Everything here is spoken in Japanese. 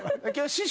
［師匠。